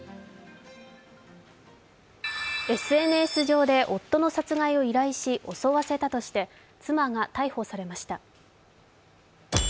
ＳＮＳ上で夫の殺害を依頼し襲わせたとして妻が逮捕されました。